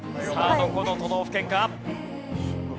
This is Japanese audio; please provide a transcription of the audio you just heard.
さあどこの都道府県か？